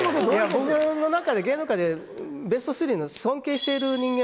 僕の中で芸能界でベスト３の尊敬している人間